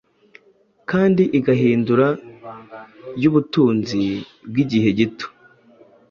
kandi igahinduraYubutunzi bwigihe gito